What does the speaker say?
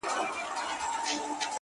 ژه دې اور لکه سکروټې د قلم سه گراني;